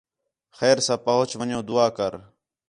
خیر ساں پُہنچ ون٘ڄوں دُعا کر